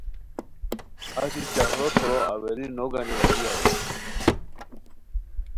اچی چخورو سورو اَوری تو گانی راہی اریر